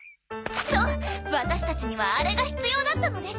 そうワタシたちにはあれが必要だったのです。